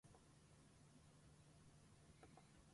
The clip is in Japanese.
ｇｆｖｒｖ